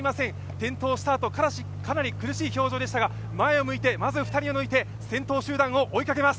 転倒したあと、かなり苦しい表情でしたが、前を向いてまず２人を抜いて、先頭集団を追いかけます。